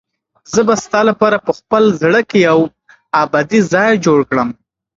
زه به ستا لپاره په خپل زړه کې یو ابدي ځای جوړ کړم.